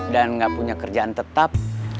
dan gak punya kerjaan tetap